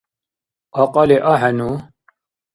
Кьакьали ахӀену?